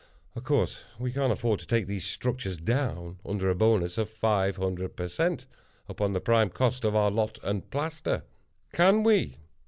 Of course we can't afford to take these structures down under a bonus of five hundred per cent upon the prime cost of our lot and plaster. Can we?